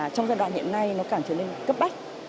trong giai đoạn hiện nay nó càng trở nên cấp bách